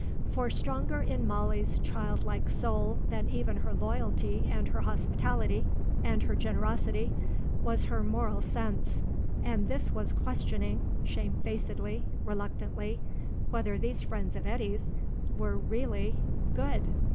For stronger in Molly's child like soul than even her loyalty and her hospitality, and her generosity, was her moral sense, and this was questioning, shamefacedly, reluctantly, whether these friends of Eddy's were really "good."